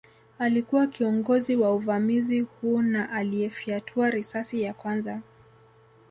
Alikuwa kiongozi wa uvamizi huu na aliyefyatua risasi ya kwanza